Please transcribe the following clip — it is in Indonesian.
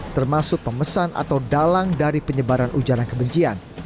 termasuk pemesan atau dalang dari penyebaran ujaran kebencian